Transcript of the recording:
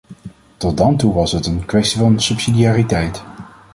Tot dan toe was het een kwestie van subsidiariteit.